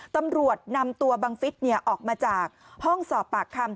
ตำรวจนำตัวบังฟิศออกมาจากห้องสอบปากคำ